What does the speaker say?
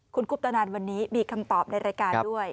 คุณคุปตนันวันนี้มีคำตอบในรายการด้วย